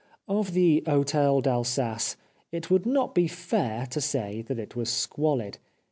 Of the Hotel d' Alsace it would not be fair to say that it was squalid.